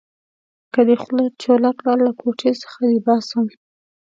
که دې خوله چوله کړه؛ له کوټې څخه دې باسم.